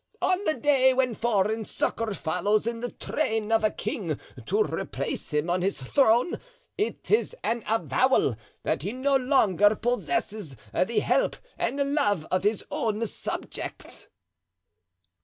On the day when foreign succor follows in the train of a king to replace him on his throne, it is an avowal that he no longer possesses the help and love of his own subjects."